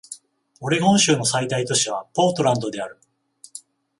オレゴン州の最大都市はポートランドである